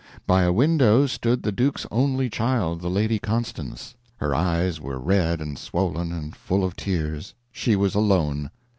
By a window stood the Duke's only child, the Lady Constance. Her eyes were red and swollen, and full of tears. She was alone.